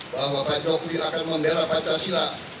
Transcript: bahwa pak jokowi akan membela pancasila